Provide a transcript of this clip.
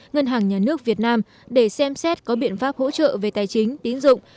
ngân hàng nhà nước việt nam để xem xét có biện pháp hỗ trợ về tài chính tín dụng